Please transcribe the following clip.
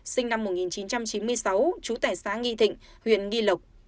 sinh năm một nghìn chín trăm chín mươi sáu trú tải xã nghi thịnh huyện nghi lộc